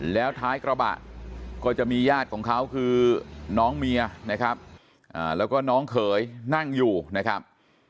แล้วท้ายกระบะก็จะมีญาติของเขาคือน้องเมียนะครับแล้วก็น้องเขยนั่งอยู่นะครับ